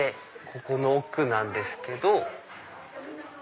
ここの奥なんですけど。